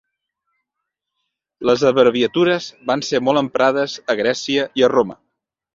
Les abreviatures van ser molt emprades a Grècia i a Roma.